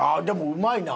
うまいな！